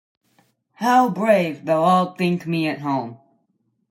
How brave they’ll all think me at home!